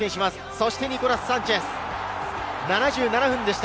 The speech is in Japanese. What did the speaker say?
そしてニコラス・サンチェス、７７分でした。